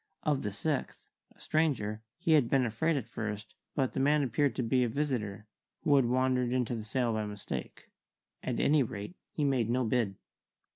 Of the sixth, a stranger, he had been afraid at first, but the man appeared to be a visitor, who had wandered into the sale by mistake. At any rate, he made no bid.